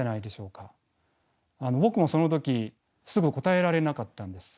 僕もその時すぐ答えられなかったんです。